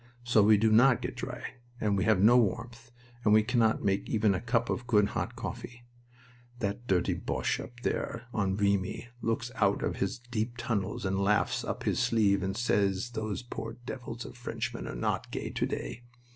So we do not get dry, and we have no warmth, and we cannot make even a cup of good hot coffee. That dirty Boche up there on Vimy looks out of his deep tunnels and laughs up his sleeve and says those poor devils of Frenchmen are not gay to day!